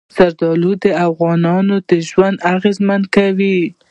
زردالو د افغانانو ژوند اغېزمن کوي.